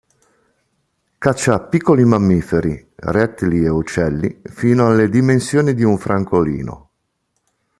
Caccia piccoli mammiferi, rettili e uccelli fino alle dimensioni di un francolino.